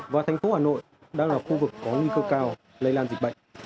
và thành phố hà nội đang là khu vực có nguy cơ cao lây lan dịch bệnh